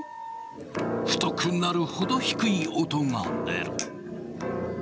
太くなるほど低い音が出る。